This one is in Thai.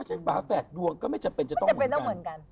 ฟ้าแฝดดวงก็ไม่จำเป็นจะต้องเหมือนกัน